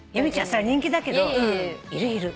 そりゃ人気だけどいるいる。